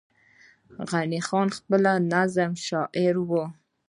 غني خان پخپله د نظم شاعر وو